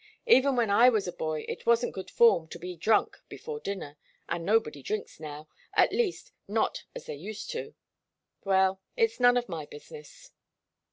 Even when I was a boy it wasn't good form to be drunk before dinner, and nobody drinks now at least, not as they used to. Well it's none of my business."